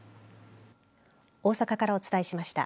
大阪からお伝えしました。